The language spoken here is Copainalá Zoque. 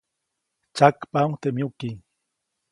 Tsyakpaʼuŋ teʼ myuki.